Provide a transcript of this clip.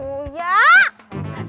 udah gak usah